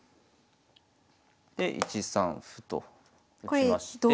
で１三歩と打ちまして。